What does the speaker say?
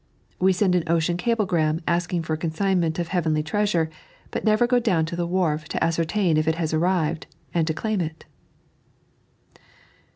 We send an ocean cabl^nram asking for a consignment of heavenly treasure, but never go down to the wharf to ascertain if it has arrived, and to claim it.